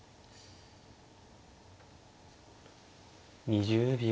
２０秒。